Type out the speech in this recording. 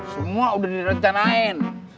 semua udah direncanain